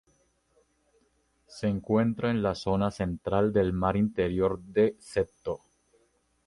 Se encuentra en la zona central del mar Interior de Seto.